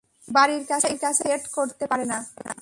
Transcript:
বাড়ির কাছে একটি সেট করতে পারেনা?